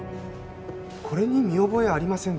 これに見覚えありませんか？